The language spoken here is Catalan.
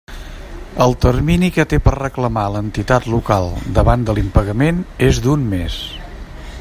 El termini que té per a reclamar l'entitat local davant de l'impagament és d'un mes.